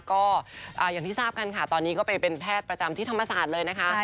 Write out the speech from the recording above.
ก็อย่างที่ทราบกันค่ะตอนนี้ก็ไปเป็นแพทย์ประจำที่ธรรมศาสตร์เลยนะคะ